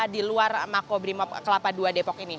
di luar mako brimob kelapa ii depok ini